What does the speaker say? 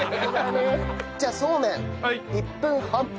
じゃあそうめん１分半。